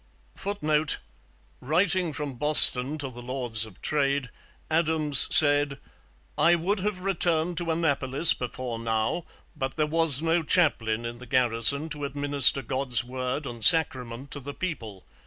[Footnote: Writing from Boston to the Lords of Trade, Adams said: 'I would have returned to Annapolis before now. But there was no Chaplain in the Garrison to administer God's word and sacrament to the people.